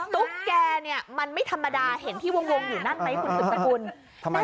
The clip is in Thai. ตุ๊กแกเนี่ยมันไม่ธรรมดาเห็นที่วงอยู่นั่นไหมคุณสุดสกุล